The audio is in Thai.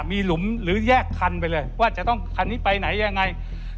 มีหลุมหรือแยกคันไปเลยว่าจะต้องคันนี้ไปไหนยังไง